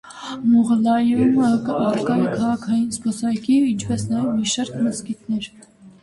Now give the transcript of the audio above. Մուղլայում առկա է քաղաքային զբոսայգի, ինչպես նաև մի շարք մզկիթներ։